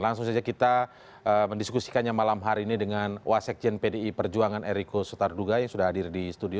langsung saja kita mendiskusikannya malam hari ini dengan wasekjen pdi perjuangan eriko sotarduga yang sudah hadir di studio